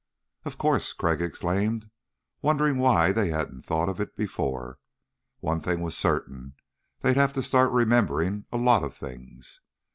"Of course," Crag exclaimed, wondering why they hadn't thought of it before. One thing was certain: they'd have to start remembering a lot of things.